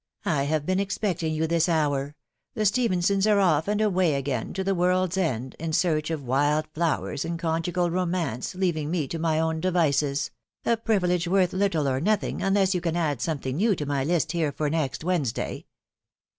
..." I have been expecting you this hour .... the Stephensons are off and away again to the world's end, in search of wild flowers and conjugal romance, leaving me to my own devices — a privilege worth little or nothing, unless you can add something new to my list here for next Wednesday."